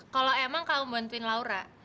kalau emang kamu bantuin laura